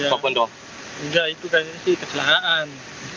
enggak itu kan sih kesalahan